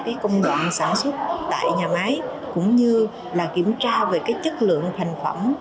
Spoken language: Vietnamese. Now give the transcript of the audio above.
mà kiểm tra công đoạn sản xuất tại nhà máy cũng như kiểm tra về chất lượng thành phẩm